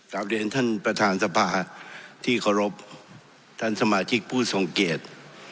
กาบเรียนท่านประธานทรภาที่ขอรบท่านสมาชิกผู้สงเกียจ